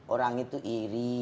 orang itu iri